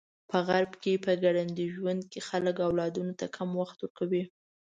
په غرب کې په ګړندي ژوند کې خلک اولادونو ته کم وخت ورکوي.